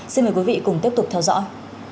xin mời quý vị cùng tiếp tục theo dõi